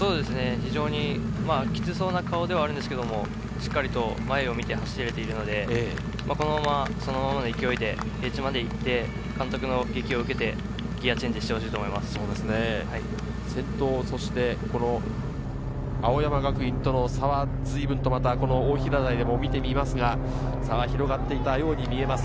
非常にキツそうな顔ではあるんですけれども、しっかり前を見て走れているので、このまま、そのままの勢いで監督の檄を受けて、ギアチェンジして青山学院との差は随分と大平台でも見てみますが、差が広がっていたように見えます。